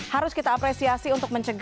harus kita apresiasi untuk mencegah